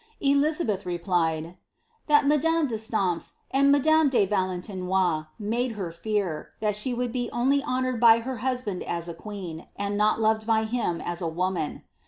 Elizabeth replied, " that madame d'Esiampea and madame de Valentinois made her fear, thai she would be only honoured by her husband as a queea, and not loved by him as a woman."